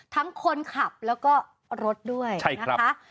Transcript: ทั้งคนขับแล้วก็รถด้วยนะคะ